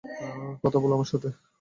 কথা বলো আমার সাথে!